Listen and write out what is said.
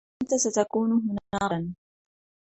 أنتَ ستكون هنا غداً؟